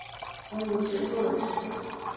Wungutse rwose